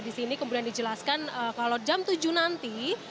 di sini kemudian dijelaskan kalau jam tujuh nanti